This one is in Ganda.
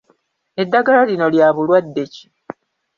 Eddagala lino lya bulwadde ki?